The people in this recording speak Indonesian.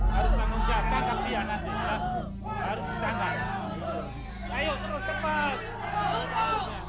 harus tanggung jawab kakak pia nanti ya